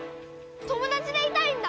友達でいたいんだ！